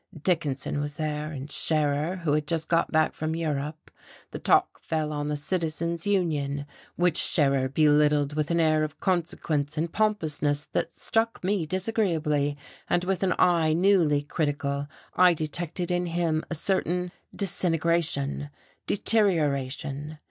Dickinson was there, and Scherer, who had just got back from Europe; the talk fell on the Citizens Union, which Scherer belittled with an air of consequence and pompousness that struck me disagreeably, and with an eye newly critical I detected in him a certain disintegration, deterioration.